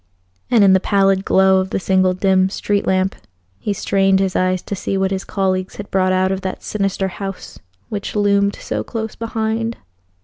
And in the pallid glow of the single dim street lamp he strained his eyes to see what his colleagues had brought out of that sinister house which loomed so close behind.